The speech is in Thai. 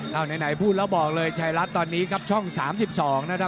เอาไหนพูดแล้วบอกเลยไทยรัฐตอนนี้ครับช่อง๓๒นะครับ